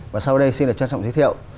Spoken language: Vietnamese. và sau đây xin được trân trọng giới thiệu